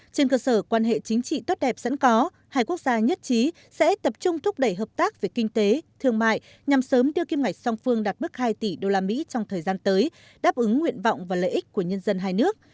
trên cơ sở quan hệ chính trị tốt đẹp sẵn có hai quốc gia nhất trí sẽ tập trung thúc đẩy hợp tác về kinh tế thương mại nhằm sớm đưa kim ngạch song phương đạt bước hai tỷ usd trong thời gian tới đáp ứng nguyện vọng và lợi ích của nhân dân hai nước